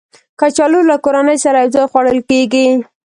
کچالو له کورنۍ سره یو ځای خوړل کېږي